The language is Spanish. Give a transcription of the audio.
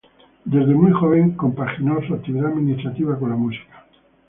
Desde muy joven, compaginó su actividad administrativa con la música.